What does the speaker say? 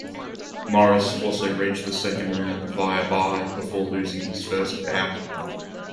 Smoris also reached the second round via bye before losing his first bout.